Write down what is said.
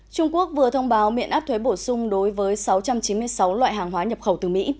trung quốc vừa thông báo miễn áp thuế bổ sung đối với sáu trăm chín mươi sáu loại hàng hóa nhập khẩu từ mỹ